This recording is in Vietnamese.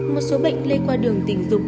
một số bệnh lê qua đường tình dục